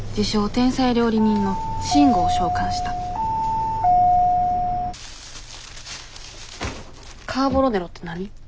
天才料理人の慎吾を召喚したカーボロネロって何？